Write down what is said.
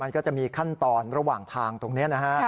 มันก็จะมีขั้นตอนระหว่างทางตรงนี้นะฮะ